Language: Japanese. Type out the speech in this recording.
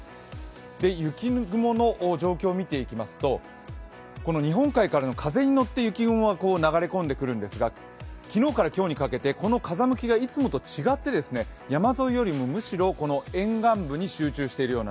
雪雲の状況を見ていきますと日本海からの風に乗って雪雲が流れ込んでくるんですが昨日から今日にかけてこの風向きがいつもと違って山沿いよりもむしろ沿岸部に集中しています。